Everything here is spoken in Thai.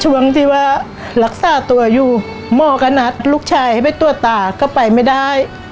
ช่วงที่ว่ารักษาตัวอยู่หมอก็นัดลูกชายให้ไปตรวจตาก็ไปไม่ได้